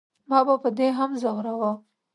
ما به په دې هم زوراوه.